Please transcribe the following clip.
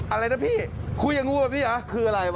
อะไรนะพี่คุยกับกูแบบนี้อ่ะคืออะไรว่ะ